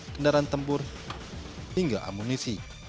kendaraan tempur hingga amunisi